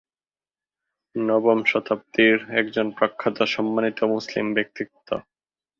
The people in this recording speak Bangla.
নবম শতাব্দীর একজন প্রখ্যাত সম্মানিত মুসলিম ব্যক্তিত্ব।